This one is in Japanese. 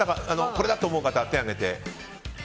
これだって思う方、手を挙げて。